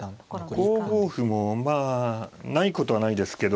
５五歩もまあないことはないですけど